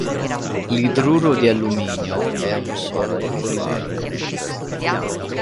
L'idruro di alluminio è un solido polimerico.